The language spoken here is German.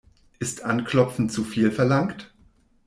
Ist Anklopfen zu viel verlangt?